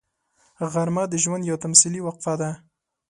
غرمه د ژوند یوه تمثیلي وقفه ده